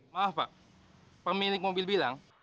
maaf pak pemilik mobil bilang